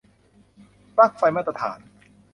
ปลั๊กไฟมาตรฐาน